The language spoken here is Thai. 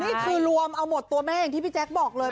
นี่คือรวมเอาหมดตัวแม่อย่างที่พี่แจ๊คบอกเลย